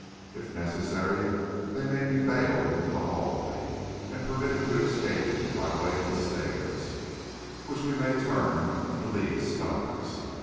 If necessary, they may be baled into the hallway and permitted to escape by way of the stairs, which we may term the lee scuppers.